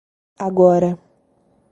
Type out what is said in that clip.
Agora